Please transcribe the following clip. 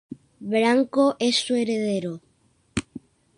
Branko es su heredero.